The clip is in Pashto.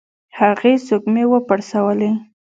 هغې سږمې وپړسولې.